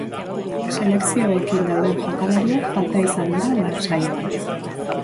Selekzioekin dauden jokalariak falta izan dira lan-saioan.